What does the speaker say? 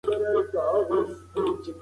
زه به سبا د خپل ورور لپاره نوي کالي واخیستل.